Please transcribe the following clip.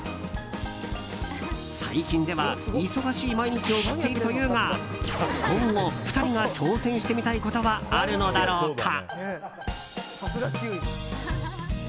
最近では忙しい毎日を送っているというが今後２人が挑戦してみたいことはあるのだろうか。